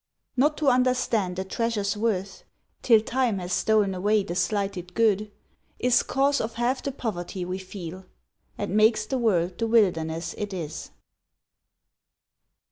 Not to understand a treasure's worth Till time has stol'n away the slighted good, Is cause of half the poverty we feel, And makes the world the wilderness it is.